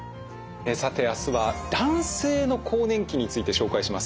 さて明日は男性の更年期について紹介します。